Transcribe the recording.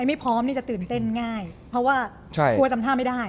ไม่พร้อมนี่จะตื่นเต้นง่ายเพราะว่ากลัวจำท่าไม่ได้